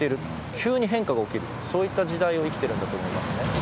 急に変化が起きるといった時代を生きていると思います。